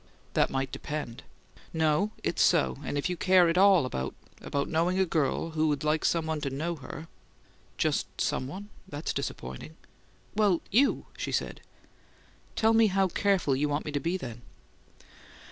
"That might depend." "No; it's so. And if you care at all about about knowing a girl who'd like someone to know her " "Just 'someone?' That's disappointing." "Well you," she said. "Tell me how 'careful' you want me to be, then!"